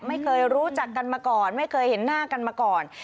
ไม่เคยรู้จักกันมาก่อนไม่เคยเห็นหน้ากันมาก่อน